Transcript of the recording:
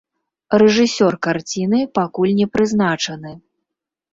Рэжысёр карціны пакуль не прызначаны.